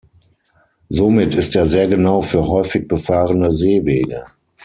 Somit ist er sehr genau für häufig befahrene Seewege.